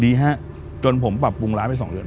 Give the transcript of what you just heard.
ดีฮะจนผมปรับปรุงร้านไปสองเดือน